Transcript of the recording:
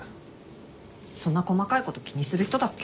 そんな細かいこと気にする人だっけ？